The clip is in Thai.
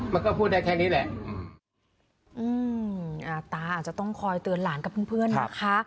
มันก็พูดได้แค่นี้แหละอืมอ่าตาอาจจะต้องคอยเตือนหลานกับเพื่อนเพื่อนนะคะ